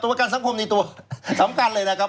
ประกันสังคมนี่ตัวสำคัญเลยนะครับ